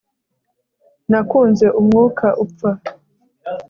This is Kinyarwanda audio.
nakunze umwuka upfa